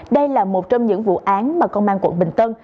đây là một trong những vụ án mà công an quận bình tân